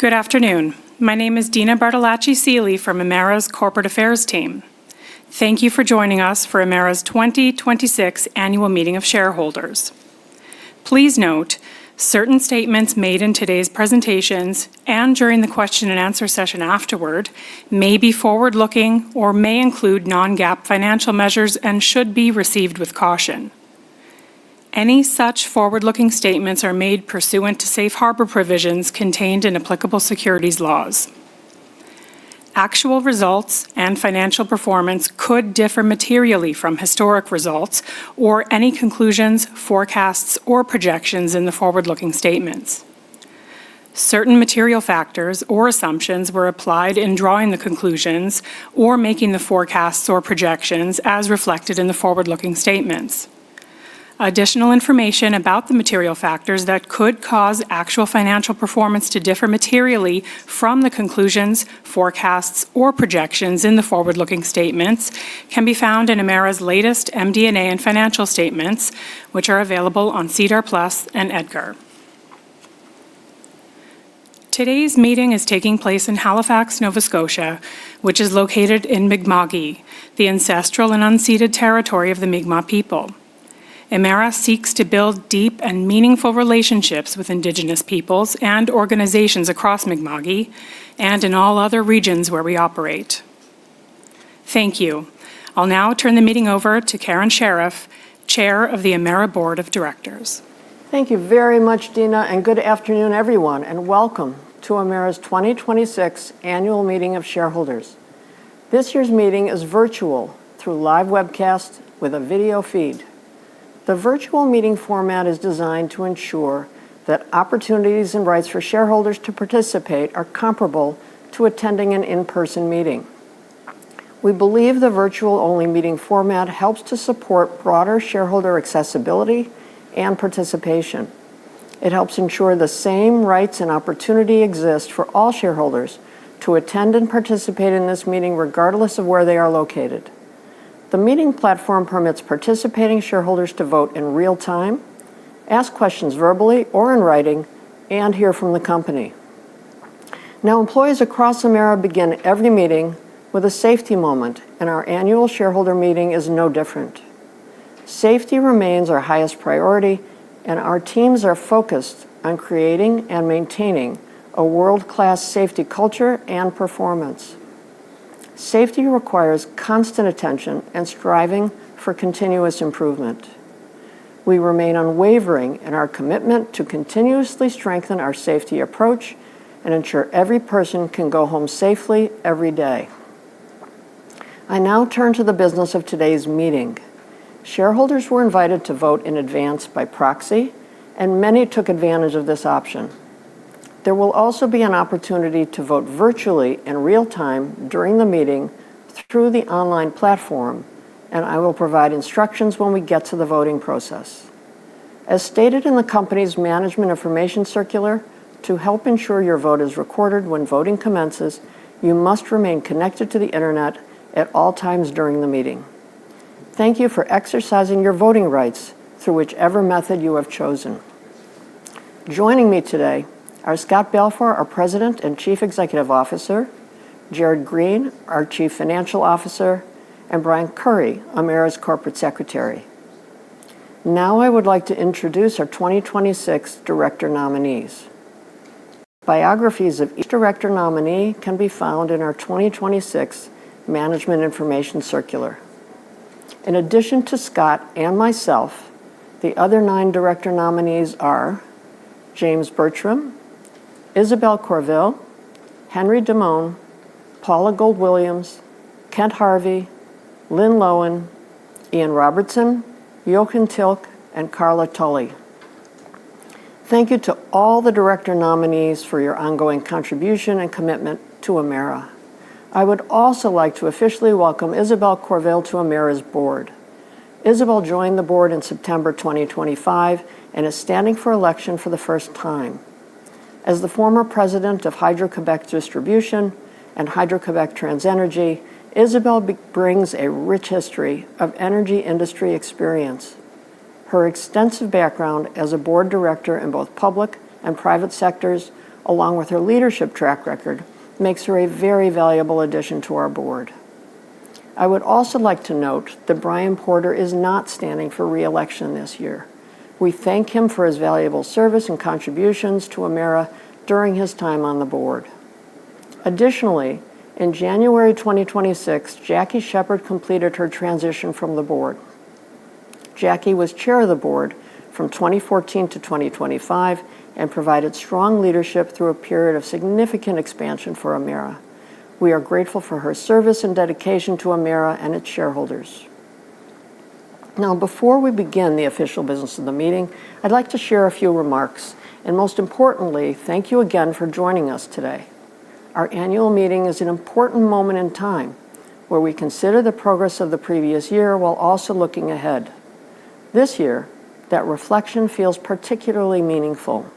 Good afternoon. My name is Dina Bartolacci Seely from Emera's Corporate Affairs team. Thank you for joining us for Emera's 2026 Annual Meeting of Shareholders. Please note, certain statements made in today's presentations and during the question and answer session afterward may be forward-looking or may include non-GAAP financial measures and should be received with caution. Any such forward-looking statements are made pursuant to safe harbor provisions contained in applicable securities laws. Actual results and financial performance could differ materially from historic results or any conclusions, forecasts, or projections in the forward-looking statements. Certain material factors or assumptions were applied in drawing the conclusions or making the forecasts or projections as reflected in the forward-looking statements. Additional information about the material factors that could cause actual financial performance to differ materially from the conclusions, forecasts, or projections in the forward-looking statements can be found in Emera's latest MD&A and financial statements, which are available on SEDAR+ and EDGAR. Today's meeting is taking place in Halifax, Nova Scotia, which is located in Mi'kma'ki, the ancestral and unceded territory of the Mi'kmaq people. Emera seeks to build deep and meaningful relationships with Indigenous peoples and organizations across Mi'kma'ki and in all other regions where we operate. Thank you. I'll now turn the meeting over to Karen Sheriff, Chair of the Emera Board of Directors. Thank you very much, Dina, and good afternoon, everyone, and welcome to Emera's 2026 Annual Meeting of Shareholders. This year's meeting is virtual through live webcast with a video feed. The virtual meeting format is designed to ensure that opportunities and rights for shareholders to participate are comparable to attending an in-person meeting. We believe the virtual-only meeting format helps to support broader shareholder accessibility and participation. It helps ensure the same rights and opportunity exist for all shareholders to attend and participate in this meeting, regardless of where they are located. The meeting platform permits participating shareholders to vote in real time, ask questions verbally or in writing, and hear from the company. Employees across Emera begin every meeting with a safety moment, and our annual shareholder meeting is no different. Safety remains our highest priority, and our teams are focused on creating and maintaining a world-class safety culture and performance. Safety requires constant attention and striving for continuous improvement. We remain unwavering in our commitment to continuously strengthen our safety approach and ensure every person can go home safely every day. I now turn to the business of today's meeting. Shareholders were invited to vote in advance by proxy, and many took advantage of this option. There will also be an opportunity to vote virtually in real time during the meeting through the online platform, and I will provide instructions when we get to the voting process. As stated in the company's management information circular, to help ensure your vote is recorded when voting commences, you must remain connected to the internet at all times during the meeting. Thank you for exercising your voting rights through whichever method you have chosen. Joining me today are Scott Balfour, our President and Chief Executive Officer, Jared Green, our Chief Financial Officer, and Brian Curry, Emera's Corporate Secretary. Now I would like to introduce our 2026 director nominees. Biographies of each director nominee can be found in our 2026 Management Information Circular. In addition to Scott and myself, the other nine director nominees are James Bertram, Isabelle Courville, Henry Demone, Paula Gold-Williams, Kent Harvey, Lynn Loewen, Ian Robertson, Jochen Tilk, and Carla Tully. Thank you to all the director nominees for your ongoing contribution and commitment to Emera. I would also like to officially welcome Isabelle Courville to Emera's board. Isabelle joined the board in September 2025 and is standing for election for the first time. As the former president of Hydro-Québec Distribution and Hydro-Québec TransÉnergie, Isabelle brings a rich history of energy industry experience. Her extensive background as a board director in both public and private sectors, along with her leadership track record, makes her a very valuable addition to our board. I would also like to note that Brian Porter is not standing for re-election this year. We thank him for his valuable service and contributions to Emera during his time on the board. Additionally, in January 2026, Jackie Sheppard completed her transition from the board. Jackie was Chair of the Board from 2014 to 2025 and provided strong leadership through a period of significant expansion for Emera. We are grateful for her service and dedication to Emera and its shareholders. Now, before we begin the official business of the meeting, I'd like to share a few remarks, and most importantly, thank you again for joining us today. Our annual meeting is an important moment in time where we consider the progress of the previous year while also looking ahead. This year, that reflection feels particularly meaningful.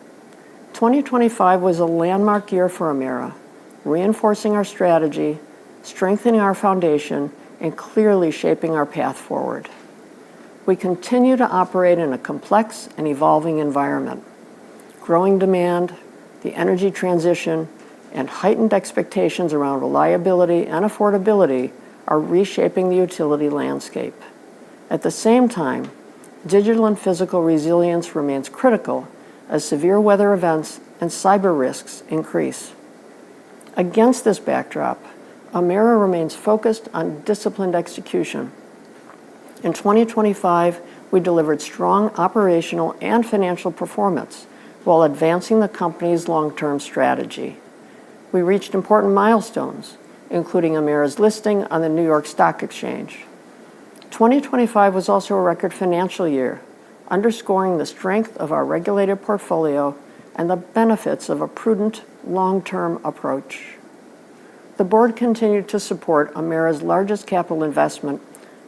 2025 was a landmark year for Emera, reinforcing our strategy, strengthening our foundation, and clearly shaping our path forward. We continue to operate in a complex and evolving environment. Growing demand, the energy transition, and heightened expectations around reliability and affordability are reshaping the utility landscape. At the same time, digital and physical resilience remains critical as severe weather events and cyber risks increase. Against this backdrop, Emera remains focused on disciplined execution. In 2025, we delivered strong operational and financial performance while advancing the company's long-term strategy. We reached important milestones, including Emera's listing on the New York Stock Exchange. 2025 was also a record financial year, underscoring the strength of our regulated portfolio and the benefits of a prudent long-term approach. The board continued to support Emera's largest capital investment,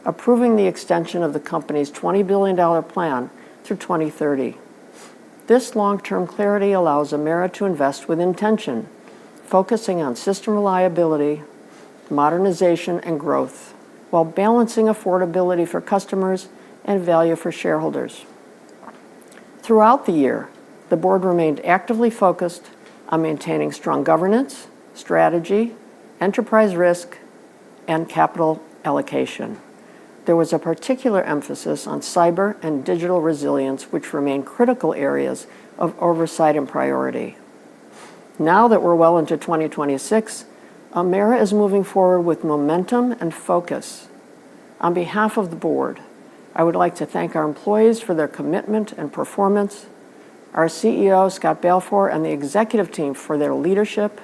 approving the extension of the company's 20 billion dollar plan through 2030. This long-term clarity allows Emera to invest with intention, focusing on system reliability, modernization, and growth while balancing affordability for customers and value for shareholders. Throughout the year, the board remained actively focused on maintaining strong governance, strategy, enterprise risk, and capital allocation. There was a particular emphasis on cyber and digital resilience, which remain critical areas of oversight and priority. Now that we're well into 2026, Emera is moving forward with momentum and focus. On behalf of the board, I would like to thank our employees for their commitment and performance, our CEO, Scott Balfour, and the executive team for their leadership,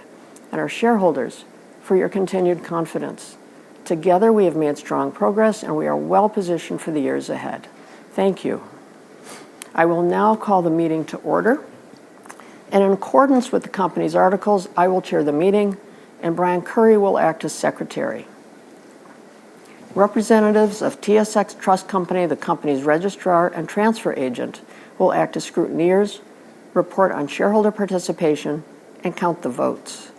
and our shareholders for your continued confidence. Together, we have made strong progress, and we are well-positioned for the years ahead. Thank you. I will now call the meeting to order, and in accordance with the company's articles, I will chair the meeting, and Brian Curry will act as secretary. Representatives of TSX Trust Company, the company's registrar and transfer agent, will act as scrutineers, report on shareholder participation, and count the votes.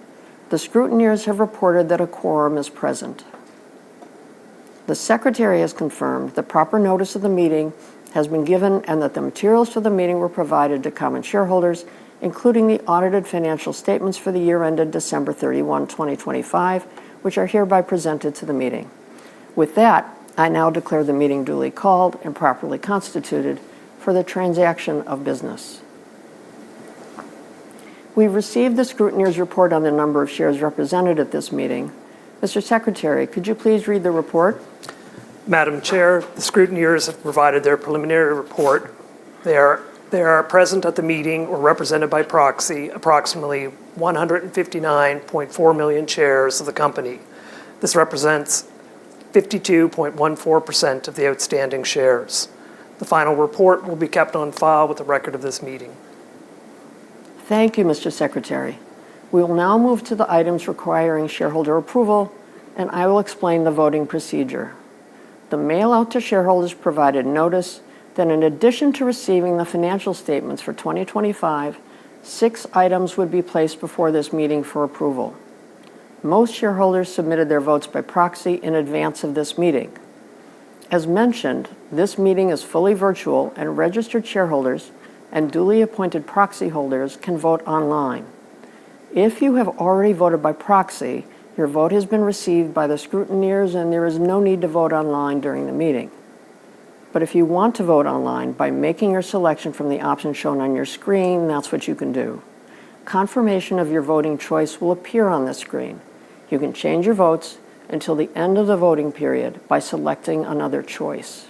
The scrutineers have reported that a quorum is present. The secretary has confirmed the proper notice of the meeting has been given and that the materials for the meeting were provided to common shareholders, including the audited financial statements for the year ended December 31, 2025, which are hereby presented to the meeting. With that, I now declare the meeting duly called and properly constituted for the transaction of business. We've received the scrutineers' report on the number of shares represented at this meeting. Mr. Secretary, could you please read the report? Madam Chair, the scrutineers have provided their preliminary report. There are present at the meeting or represented by proxy approximately 159.4 million shares of the company. This represents 52.14% of the outstanding shares. The final report will be kept on file with the record of this meeting. Thank you, Mr. Secretary. We will now move to the items requiring shareholder approval, and I will explain the voting procedure. The mail out to shareholders provided notice that in addition to receiving the financial statements for 2025, six items would be placed before this meeting for approval. Most shareholders submitted their votes by proxy in advance of this meeting. As mentioned, this meeting is fully virtual and registered shareholders and duly appointed proxy holders can vote online. If you have already voted by proxy, your vote has been received by the scrutineers, and there is no need to vote online during the meeting. If you want to vote online by making your selection from the options shown on your screen, that's what you can do. Confirmation of your voting choice will appear on the screen. You can change your votes until the end of the voting period by selecting another choice.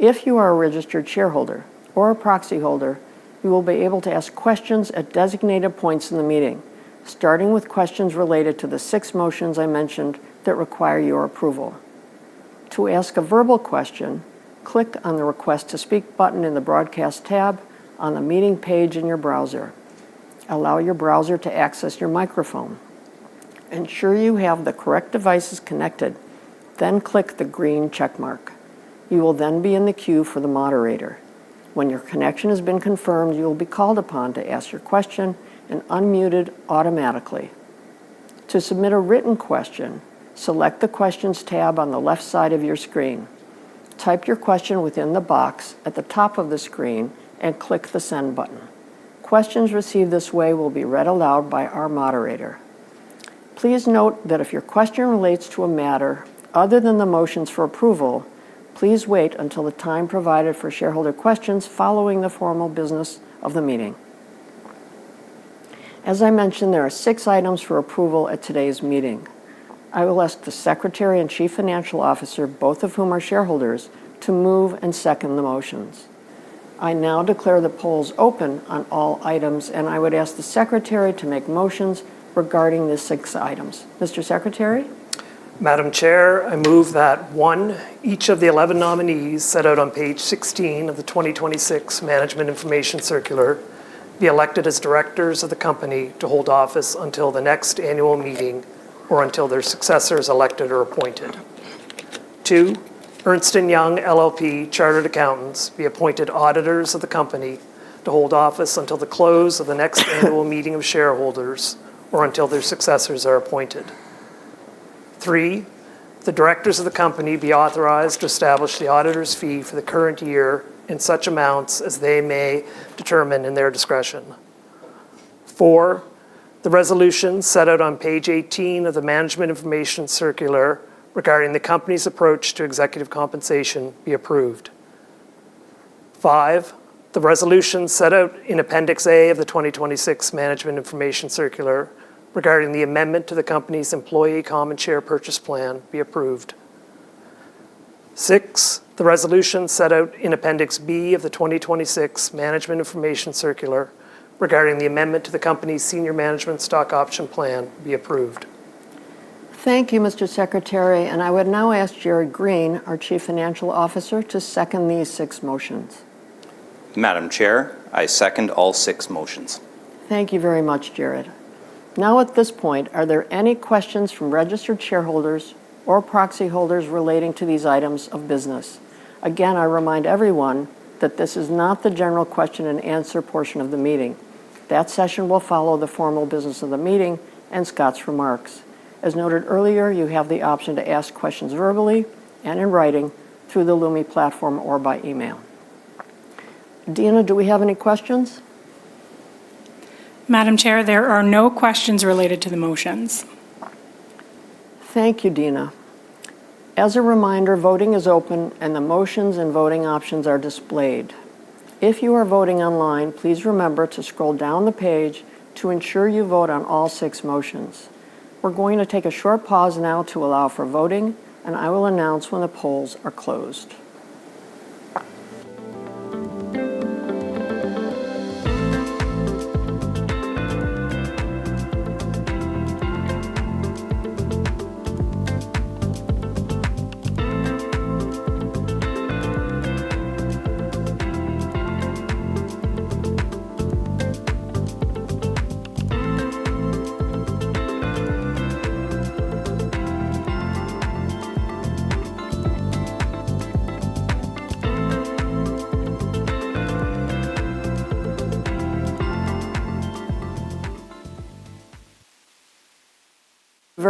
If you are a registered shareholder or a proxy holder, you will be able to ask questions at designated points in the meeting, starting with questions related to the six motions I mentioned that require your approval. To ask a verbal question, click on the Request to Speak button in the Broadcast tab on the meeting page in your browser. Allow your browser to access your microphone. Ensure you have the correct devices connected, then click the green check mark. You will then be in the queue for the moderator. When your connection has been confirmed, you will be called upon to ask your question and unmuted automatically. To submit a written question, select the Questions tab on the left side of your screen. Type your question within the box at the top of the screen and click the Send button. Questions received this way will be read aloud by our moderator. Please note that if your question relates to a matter other than the motions for approval, please wait until the time provided for shareholder questions following the formal business of the meeting. As I mentioned, there are six items for approval at today's meeting. I will ask the secretary and chief financial officer, both of whom are shareholders, to move and second the motions. I now declare the polls open on all items, and I would ask the secretary to make motions regarding the six items. Mr. Secretary? Madam Chair, I move that, one, each of the 11 nominees set out on page 16 of the 2026 Management Information Circular be elected as directors of the company to hold office until the next annual meeting or until their successors elected or appointed. Two, Ernst & Young LLP Chartered Accountants be appointed auditors of the company to hold office until the close of the next annual meeting of shareholders or until their successors are appointed Three, the directors of the company be authorized to establish the auditor's fee for the current year in such amounts as they may determine in their discretion. Four, the resolution set out on page 18 of the management information circular regarding the company's approach to executive compensation be approved. Five, the resolution set out in Appendix A of the 2026 Management Information Circular regarding the amendment to the company's employee common share purchase plan be approved. Six, the resolution set out in Appendix B of the 2026 Management Information Circular regarding the amendment to the company's senior management stock option plan be approved. Thank you, Mr. Secretary. I would now ask Jared Green, our Chief Financial Officer, to second these six motions. Madam Chair, I second all six motions. Thank you very much, Jared. At this point, are there any questions from registered shareholders or proxy holders relating to these items of business? Again, I remind everyone that this is not the general question-and-answer portion of the meeting. That session will follow the formal business of the meeting and Scott's remarks. As noted earlier, you have the option to ask questions verbally and in writing through the Lumi platform or by email. Dina, do we have any questions? Madam Chair, there are no questions related to the motions. Thank you, Dina. As a reminder, voting is open and the motions and voting options are displayed. If you are voting online, please remember to scroll down the page to ensure you vote on all six motions. We're going to take a short pause now to allow for voting, and I will announce when the polls are closed.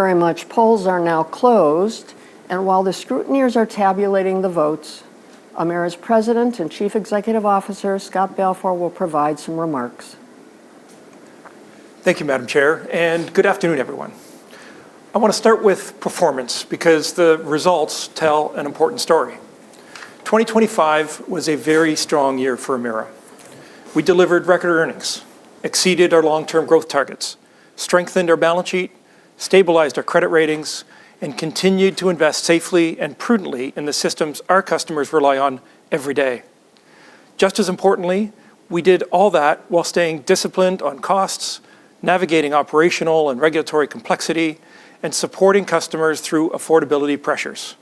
Very much. Polls are now closed, and while the scrutineers are tabulating the votes, Emera's President and Chief Executive Officer, Scott Balfour, will provide some remarks. Thank you, Madam Chair. Good afternoon, everyone. I want to start with performance because the results tell an important story. 2025 was a very strong year for Emera. We delivered record earnings, exceeded our long-term growth targets, strengthened our balance sheet, stabilized our credit ratings, and continued to invest safely and prudently in the systems our customers rely on every day. Just as importantly, we did all that while staying disciplined on costs, navigating operational and regulatory complexity, and supporting customers through affordability pressures.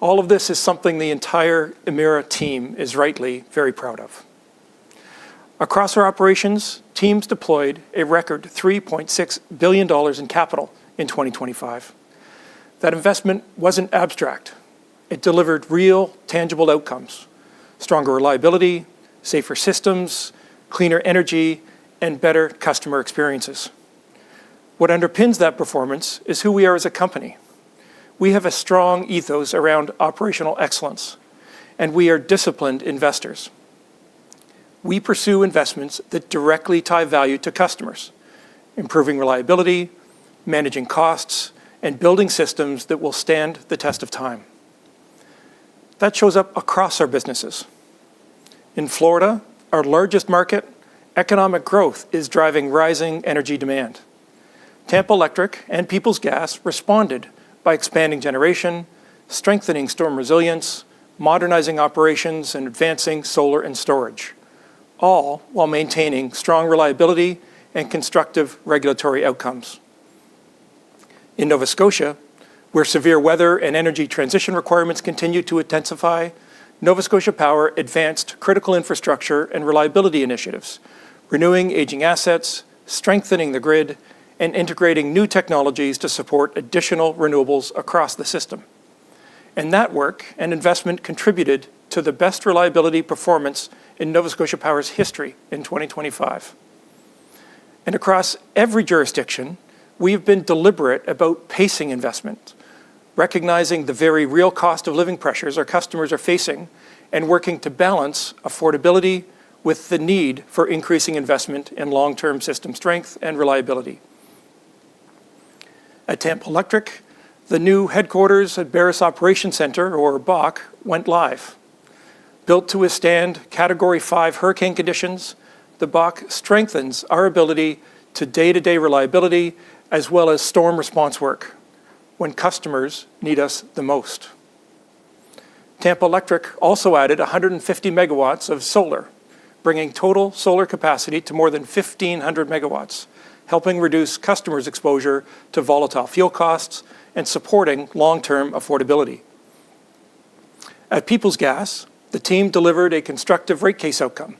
All of this is something the entire Emera team is rightly very proud of. Across our operations, teams deployed a record 3.6 billion dollars in capital in 2025. That investment wasn't abstract. It delivered real, tangible outcomes, stronger reliability, safer systems, cleaner energy, and better customer experiences. What underpins that performance is who we are as a company. We have a strong ethos around operational excellence, and we are disciplined investors. We pursue investments that directly tie value to customers, improving reliability, managing costs, and building systems that will stand the test of time. That shows up across our businesses. In Florida, our largest market, economic growth is driving rising energy demand. Tampa Electric and Peoples Gas responded by expanding generation, strengthening storm resilience, modernizing operations, and advancing solar and storage, all while maintaining strong reliability and constructive regulatory outcomes. In Nova Scotia, where severe weather and energy transition requirements continue to intensify, Nova Scotia Power advanced critical infrastructure and reliability initiatives, renewing aging assets, strengthening the grid, and integrating new technologies to support additional renewables across the system. That work and investment contributed to the best reliability performance in Nova Scotia Power's history in 2025. Across every jurisdiction, we've been deliberate about pacing investment, recognizing the very real cost-of-living pressures our customers are facing, and working to balance affordability with the need for increasing investment in long-term system strength and reliability. At Tampa Electric, the new headquarters at Barris Operations Center, or BOC, went live. Built to withstand Category 5 hurricane conditions, the BOC strengthens our ability to day-to-day reliability as well as storm response work when customers need us the most. Tampa Electric also added 150 MW of solar, bringing total solar capacity to more than 1,500 MW, helping reduce customers' exposure to volatile fuel costs and supporting long-term affordability. At Peoples Gas, the team delivered a constructive rate case outcome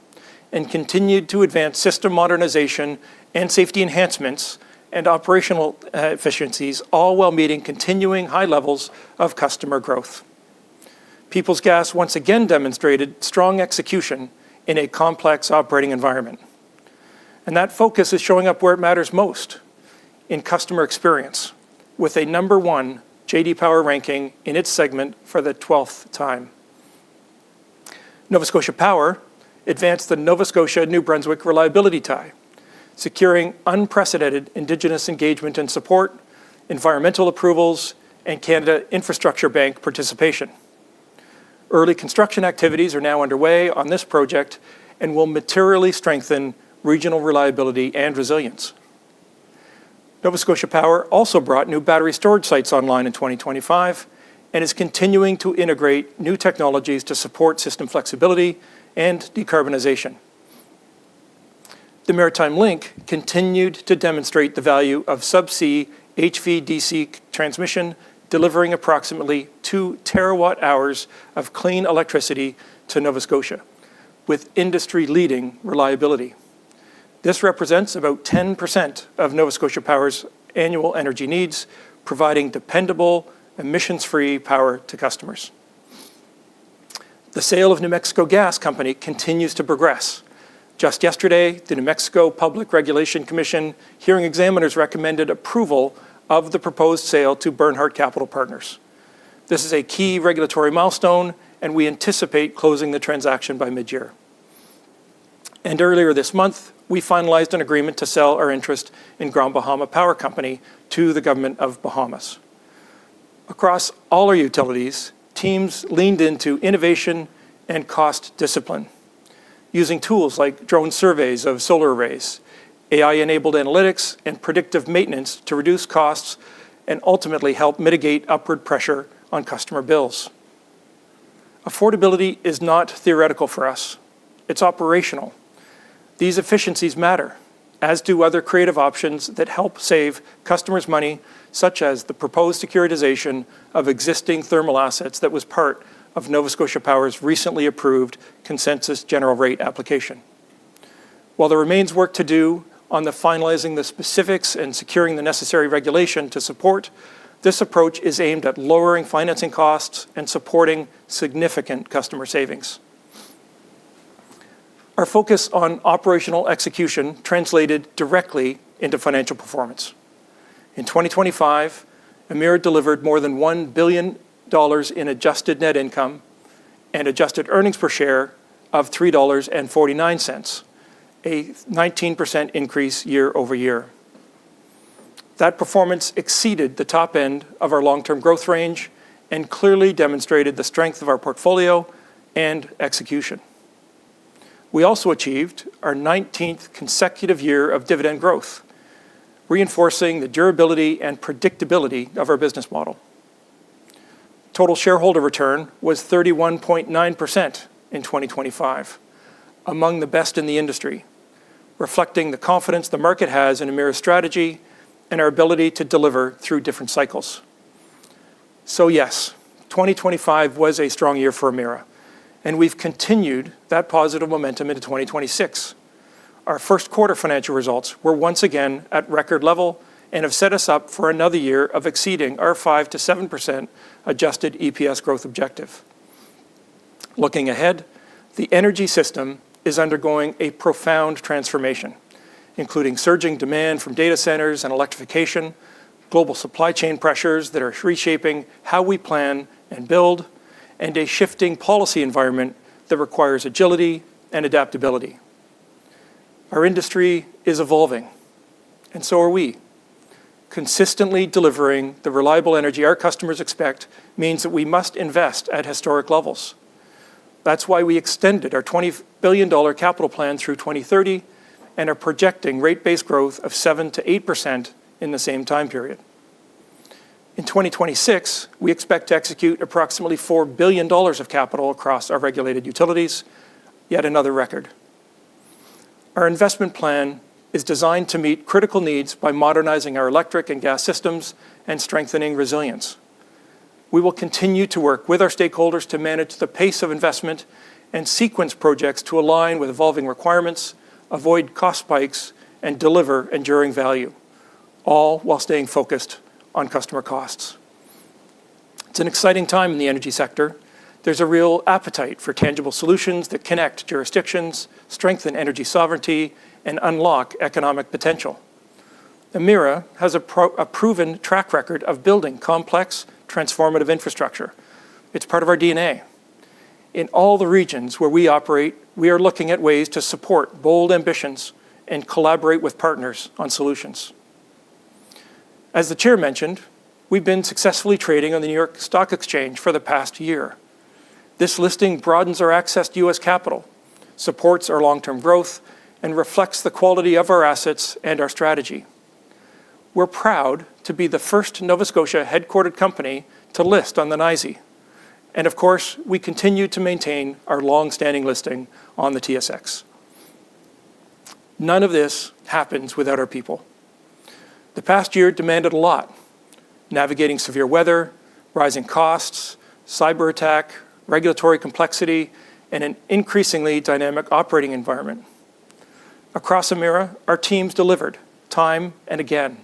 and continued to advance system modernization and safety enhancements and operational efficiencies, all while meeting continuing high levels of customer growth. Peoples Gas once again demonstrated strong execution in a complex operating environment. That focus is showing up where it matters most in customer experience with a number one J.D. Power ranking in its segment for the 12th time. Nova Scotia Power advanced the Nova Scotia-New Brunswick Reliability Intertie, securing unprecedented indigenous engagement and support, environmental approvals, and Canada Infrastructure Bank participation. Early construction activities are now underway on this project and will materially strengthen regional reliability and resilience. Nova Scotia Power also brought new battery storage sites online in 2025 and is continuing to integrate new technologies to support system flexibility and decarbonization. The Maritime Link continued to demonstrate the value of subsea HVDC transmission, delivering approximately 2 TWh of clean electricity to Nova Scotia with industry-leading reliability. This represents about 10% of Nova Scotia Power's annual energy needs, providing dependable, emissions-free power to customers. The sale of New Mexico Gas Company continues to progress. Just yesterday, the New Mexico Public Regulation Commission hearing examiners recommended approval of the proposed sale to Bernhard Capital Partners. This is a key regulatory milestone and we anticipate closing the transaction by mid-year. Earlier this month, we finalized an agreement to sell our interest in Grand Bahama Power Company to the government of Bahamas. Across all our utilities, teams leaned into innovation and cost discipline using tools like drone surveys of solar arrays, AI-enabled analytics, and predictive maintenance to reduce costs and ultimately help mitigate upward pressure on customer bills. Affordability is not theoretical for us. It's operational. These efficiencies matter, as do other creative options that help save customers money, such as the proposed securitization of existing thermal assets that was part of Nova Scotia Power's recently approved consensus general rate application. While there remains work to do on the finalizing the specifics and securing the necessary regulation to support, this approach is aimed at lowering financing costs and supporting significant customer savings. Our focus on operational execution translated directly into financial performance. In 2025, Emera delivered more than 1 billion dollars in adjusted net income and adjusted earnings per share of 3.49 dollars, a 19% increase year-over-year. That performance exceeded the top end of our long-term growth range and clearly demonstrated the strength of our portfolio and execution. We also achieved our 19th consecutive year of dividend growth, reinforcing the durability and predictability of our business model. Total shareholder return was 31.9% in 2025, among the best in the industry, reflecting the confidence the market has in Emera's strategy and our ability to deliver through different cycles. Yes, 2025 was a strong year for Emera, and we've continued that positive momentum into 2026. Our Q1 financial results were once again at record level and have set us up for another year of exceeding our 5%-7% adjusted EPS growth objective. Looking ahead, the energy system is undergoing a profound transformation, including surging demand from data centers and electrification, global supply chain pressures that are reshaping how we plan and build, and a shifting policy environment that requires agility and adaptability. Our industry is evolving, and so are we. Consistently delivering the reliable energy our customers expect means that we must invest at historic levels. That's why we extended our 20 billion dollar capital plan through 2030 and are projecting rate base growth of 7%-8% in the same time period. In 2026, we expect to execute approximately 4 billion dollars of capital across our regulated utilities, yet another record. Our investment plan is designed to meet critical needs by modernizing our electric and gas systems and strengthening resilience. We will continue to work with our stakeholders to manage the pace of investment and sequence projects to align with evolving requirements, avoid cost spikes, and deliver enduring value, all while staying focused on customer costs. It's an exciting time in the energy sector. There's a real appetite for tangible solutions that connect jurisdictions, strengthen energy sovereignty, and unlock economic potential. Emera has a proven track record of building complex, transformative infrastructure. It's part of our DNA. In all the regions where we operate, we are looking at ways to support bold ambitions and collaborate with partners on solutions. As the Chair mentioned, we've been successfully trading on the New York Stock Exchange for the past year. This listing broadens our access to U.S. capital, supports our long-term growth, and reflects the quality of our assets and our strategy. We're proud to be the first Nova Scotia-headquartered company to list on the NYSE. Of course, we continue to maintain our long-standing listing on the TSX. None of this happens without our people. The past year demanded a lot. Navigating severe weather, rising costs, cyberattack, regulatory complexity, and an increasingly dynamic operating environment. Across Emera, our teams delivered time and again.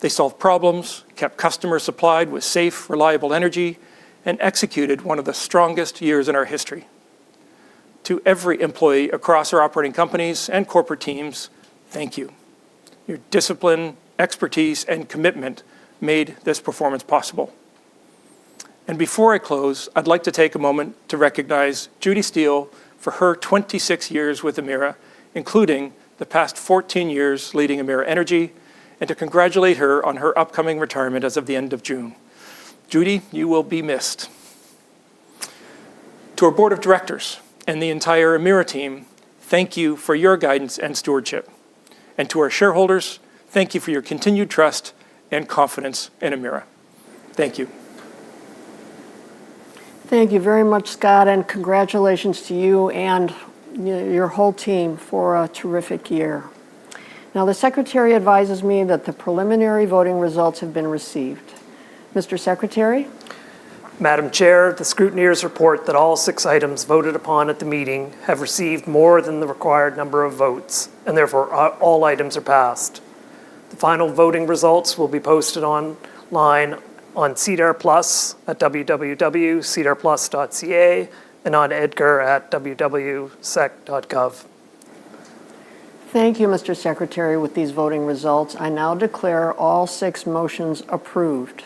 They solved problems, kept customers supplied with safe, reliable energy, and executed one of the strongest years in our history. To every employee across our operating companies and corporate teams, thank you. Your discipline, expertise, and commitment made this performance possible. Before I close, I'd like to take a moment to recognize Judy Steele for her 26 years with Emera, including the past 14 years leading Emera Energy, and to congratulate her on her upcoming retirement as of the end of June. Judy, you will be missed. To our board of directors and the entire Emera team, thank you for your guidance and stewardship. To our shareholders, thank you for your continued trust and confidence in Emera. Thank you. Thank you very much, Scott, and congratulations to you and your whole team for a terrific year. Now, the secretary advises me that the preliminary voting results have been received. Mr. Secretary? Madam Chair, the scrutineers report that all six items voted upon at the meeting have received more than the required number of votes, and therefore all items are passed. The final voting results will be posted online on SEDAR+ at www.sedarplus.ca and on EDGAR at www.sec.gov. Thank you, Mr. Secretary. With these voting results, I now declare all six motions approved.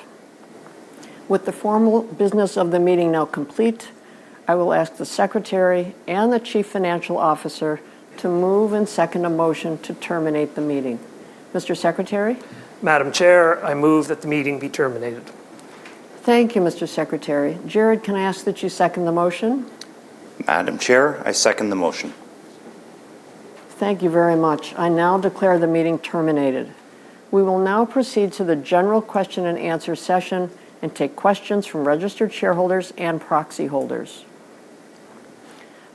With the formal business of the meeting now complete, I will ask the secretary and the Chief Financial Officer to move and second a motion to terminate the meeting. Mr. Secretary? Madam Chair, I move that the meeting be terminated. Thank you, Mr. Secretary. Jared, can I ask that you second the motion? Madam Chair, I second the motion. Thank you very much. I now declare the meeting terminated. We will now proceed to the general question and answer session and take questions from registered shareholders and proxy holders.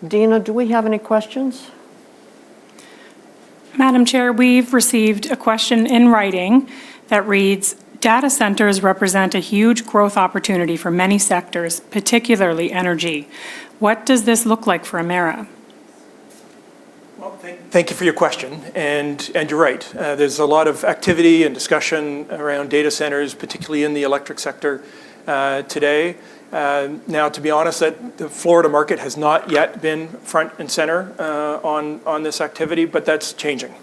Dina, do we have any questions? Madam Chair, we've received a question in writing that reads, "Data centers represent a huge growth opportunity for many sectors, particularly energy. What does this look like for Emera? Well, thank you for your question. You're right. There's a lot of activity and discussion around data centers, particularly in the electric sector today. Now, to be honest, the Florida market has not yet been front and center on this activity, but that's changing.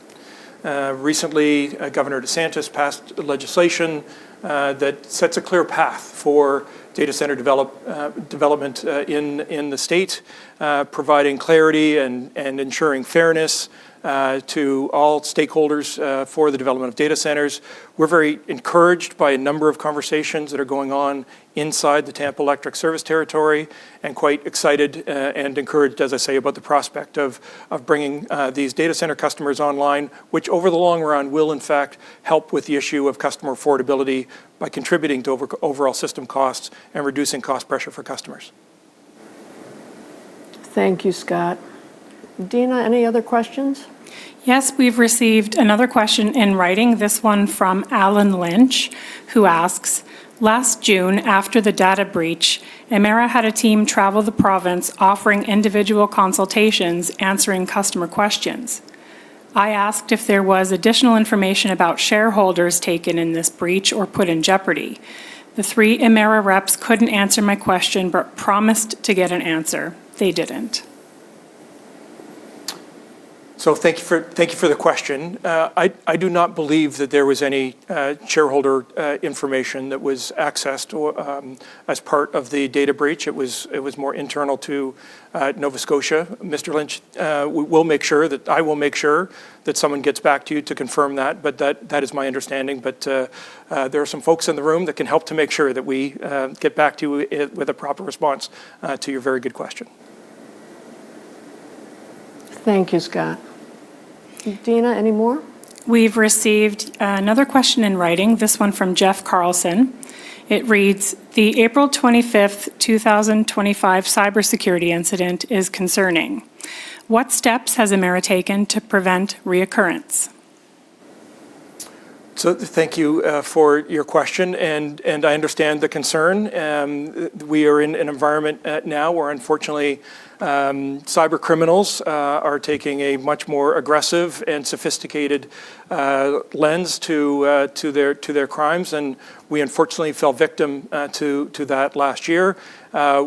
Recently, Governor DeSantis passed legislation that sets a clear path for data center development in the state, providing clarity and ensuring fairness to all stakeholders for the development of data centers. We're very encouraged by a number of conversations that are going on inside the Tampa Electric service territory and quite excited and encouraged, as I say, about the prospect of bringing these data center customers online, which over the long run will in fact help with the issue of customer affordability by contributing to overall system costs and reducing cost pressure for customers. Thank you, Scott. Dina, any other questions? Yes, we've received another question in writing, this one from Alan Lynch, who asks, "Last June, after the data breach, Emera had a team travel the province offering individual consultations answering customer questions. I asked if there was additional information about shareholders taken in this breach or put in jeopardy. The three Emera reps couldn't answer my question but promised to get an answer. They didn't. Thank you for the question. I do not believe that there was any shareholder information that was accessed as part of the data breach. It was more internal to Nova Scotia. Mr. Lynch, I will make sure that someone gets back to you to confirm that, but that is my understanding. There are some folks in the room that can help to make sure that we get back to you with a proper response to your very good question. Thank you, Scott. Dina, any more? We've received another question in writing, this one from Jeff Carlson. It reads, "The April 25th, 2025 cybersecurity incident is concerning. What steps has Emera taken to prevent reoccurrence? Thank you for your question, and I understand the concern. We are in an environment now where unfortunately, cybercriminals are taking a much more aggressive and sophisticated lens to their crimes, and we unfortunately fell victim to that last year.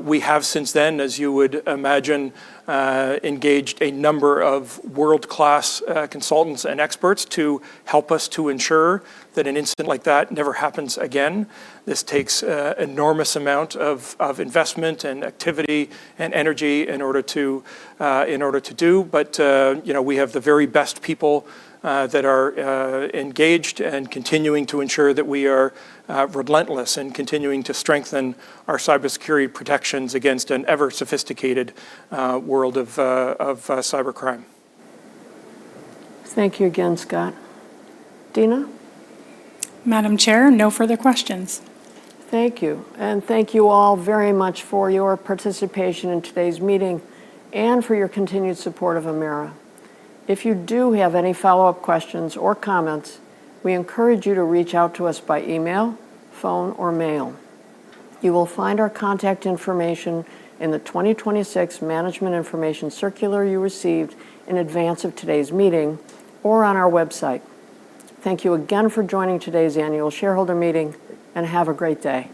We have since then, as you would imagine, engaged a number of world-class consultants and experts to help us to ensure that an incident like that never happens again. This takes an enormous amount of investment and activity and energy in order to do. We have the very best people that are engaged and continuing to ensure that we are relentless in continuing to strengthen our cybersecurity protections against an ever-sophisticated world of cybercrime. Thank you again, Scott. Dina? Madam Chair, no further questions. Thank you. Thank you all very much for your participation in today's meeting and for your continued support of Emera. If you do have any follow-up questions or comments, we encourage you to reach out to us by email, phone, or mail. You will find our contact information in the 2026 Management Information Circular you received in advance of today's meeting or on our website. Thank you again for joining today's annual shareholder meeting, and have a great day.